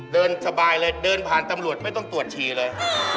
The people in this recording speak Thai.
เดินสบายเลยเดินผ่านตำรวจไม่ต้องตรวจฉี่เลย